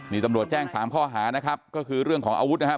นี่ตำรวจแจ้ง๓ข้อหานะครับก็คือเรื่องของอาวุธนะครับ